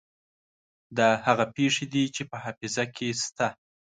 دا هغه پېښې دي چې په حافظه کې شته.